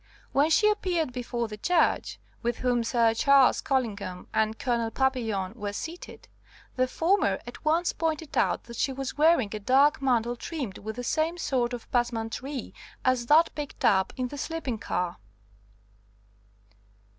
When she appeared before the Judge, with whom Sir Charles Collingham and Colonel Papillon were seated, the former at once pointed out that she was wearing a dark mantle trimmed with the same sort of passementerie as that picked up in the sleeping car.